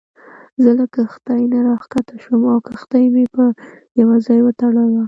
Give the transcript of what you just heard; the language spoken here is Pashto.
زه له کښتۍ نه راکښته شوم او کښتۍ مې په یوه ځای وتړله.